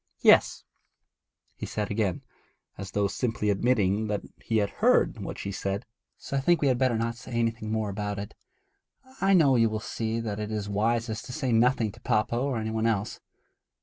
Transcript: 'Yes,' he said again, as though simply admitting that he had heard what she said. 'So I think we had better not say anything more about it. I know you will see that it is wisest to say nothing to papa or any one else.